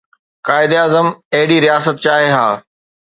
قائداعظم اهڙي رياست چاهي ها.